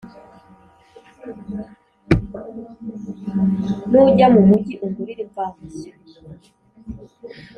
Nujya Mu Mugi Ungurire Imvaho Nshya